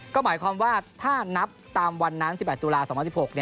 ก็หมายความว่าถ้านับตามวันนั้น๑๘ตุลา๒๐๑๖